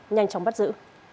nhanh chóng bắt giữ